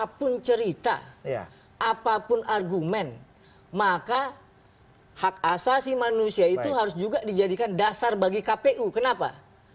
apapun cerita apapun argumen maka hak asasi manusia itu harus juga dijadikan dasar bagi kpu kenapa